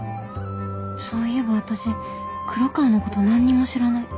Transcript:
そういえば私黒川のこと何にも知らない